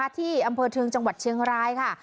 ที่อำเภอเทิงจังหวัดเชียงรายค่ะ